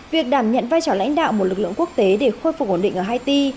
việc đảm nhận vai trò lãnh đạo một lực lượng quốc tế để khôi phục ổn định ở haiti